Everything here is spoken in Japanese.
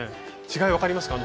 違い分かりますか？